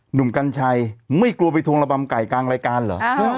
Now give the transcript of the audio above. หนุ่มกัญชัยไม่กลัวไปทวงระบำไก่กลางรายการเหรอ